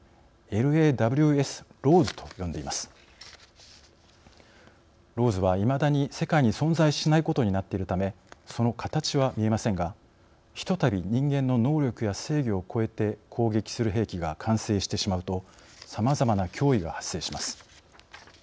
ＬＡＷＳはいまだに世界に存在しないことになっているためその形は見えませんがひとたび人間の能力や制御を超えて攻撃する兵器が完成してしまうとさまざまな脅威が発生します。